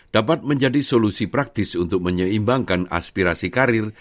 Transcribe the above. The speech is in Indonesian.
dapat menjadi solusi praktis untuk menyeimbangkan aspirasi karir